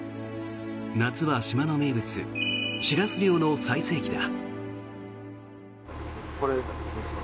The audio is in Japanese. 夏は島の名物シラス漁の最盛期だ。